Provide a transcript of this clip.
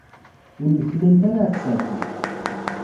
Ur nneknant ara ɣer tsertit.